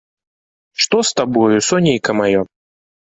Што з табою, сонейка маё?